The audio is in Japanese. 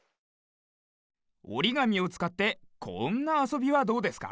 おりがみをつかってこんなあそびはどうですか？